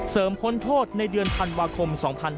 เสริมคนโทษในเดือนพันวาคม๒๕๕๕